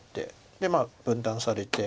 で分断されて。